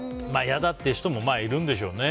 嫌だっていう人もまあ、いるんでしょうね。